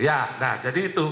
iya nah jadi itu